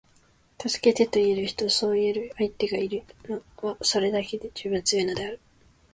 「助けて」と言える人，そう言える相手がいる人は，それだけで十分強いのである．